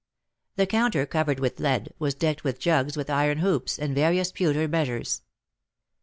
The counter, covered with lead, was decked with jugs with iron hoops, and various pewter measures.